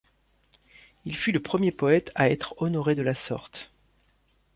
Il fut le premier poète à être honoré de la sorte.